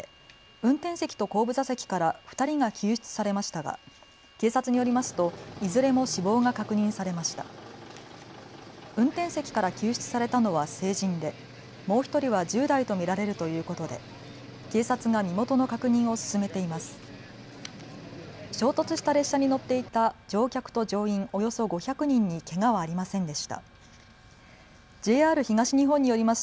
運転席から救出されたのは成人でもう１人は１０代と見られるということで警察が身元の確認を進めています。